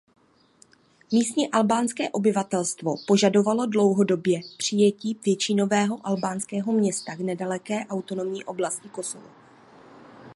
Místní albánské obyvatelstvo požadovalo dlouhodobě připojení většinově albánského města k nedaleké autonomní oblasti Kosovo.